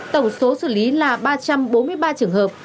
tổng số xử lý là ba trăm bốn mươi ba trường hợp